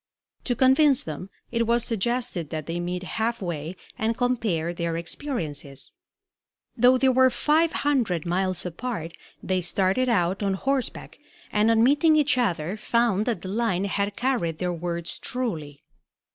To convince them it was suggested that they meet half way and compare their experiences. Though they were five hundred miles apart, they started out on horseback, and on meeting each other found that the line had carried their words truly.